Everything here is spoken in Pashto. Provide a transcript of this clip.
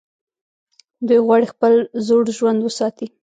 دوی غواړي خپل زوړ ژوند وساتي.